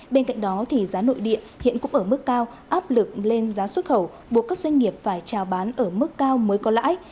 bên cạnh đó giá nội địa hiện cũng ở mức cao áp lực lên giá xuất khẩu buộc các doanh nghiệp phải trào bán ở mức cao mới có lãi